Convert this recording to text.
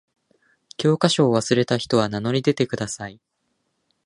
教科書を忘れた人は名乗り出てください。